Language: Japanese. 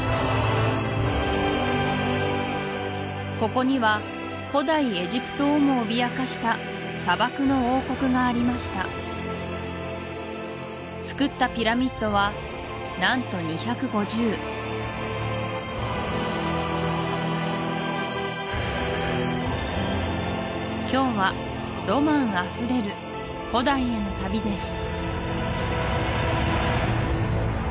ここには古代エジプトをも脅かした砂漠の王国がありましたつくったピラミッドは何と２５０今日はロマンあふれる古代への旅です